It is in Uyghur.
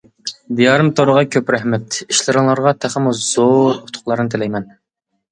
دىيارىم تورىغا كۆپ رەھمەت، ئىشلىرىڭلارغا تېخىمۇ زور ئۇتۇقلارنى تىلەيمەن!